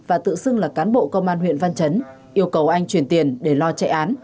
và tự xưng là cán bộ công an huyện văn chấn yêu cầu anh chuyển tiền để lo chạy án